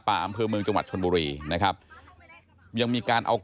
อย่าอย่าอย่าอย่าอย่าอย่าอย่าอย่าอย่าอย่าอย่าอย่า